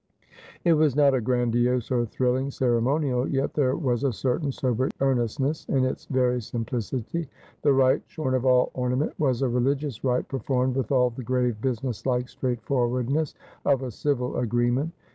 It was not a grandoise or thrilling ceremonial, yet there was a certain sober earnestness in its very simplicity. The rite, shorn of all ornament, was a religious rite performed with all the grave businesslike straightforwardness of a civil agreement.